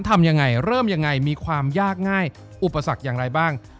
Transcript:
ทำยังไงเริ่มยังไงมีความยากง่ายอุปสรรคอย่างไรบ้าง